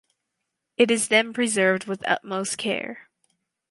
It is then preserved with utmost care.